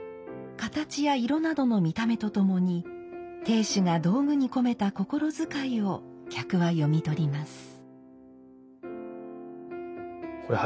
形や色などの見た目とともに亭主が道具に込めた心遣いを客は読み取ります。